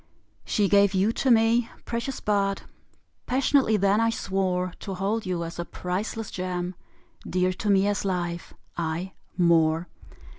She gave you to me. Precious bud! Passionately then I swore To hold you as a priceless gem, Dear to me as life aye more!